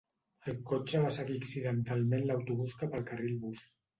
El cotxe va seguir accidentalment l'autobús cap al carril bus.